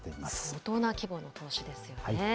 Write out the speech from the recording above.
相当な規模の投資ですよね。